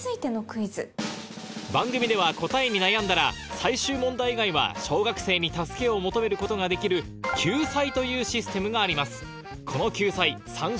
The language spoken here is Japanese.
番組では答えに悩んだら最終問題以外は小学生に助けを求めることができる「救済」というシステムがあります